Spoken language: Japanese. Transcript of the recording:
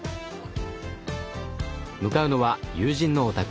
向かうのは友人のお宅。